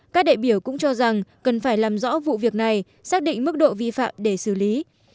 các đại biểu cũng cho rằng cần phải làm rõ vụ việc này xác định mức độ vi phạm để xử lý